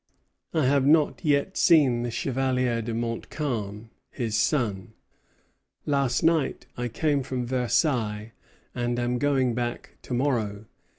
I have not yet seen the Chevalier de Montcalm [his son]. Last night I came from Versailles, and am going back to morrow.